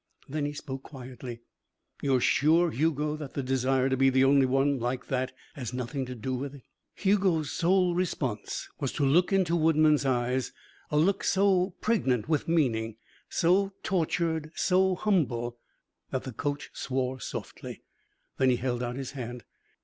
Then he spoke quietly. "You're sure, Hugo, that the desire to be the only one like that has nothing to do with it?" Hugo's sole response was to look into Woodman's eyes, a look so pregnant with meaning, so tortured, so humble, that the coach swore softly. Then he held out his hand.